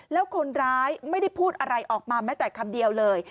แล้วคนร้ายไม่ได้พูดอะไรออกมาแม้แต่คำเดียวเลย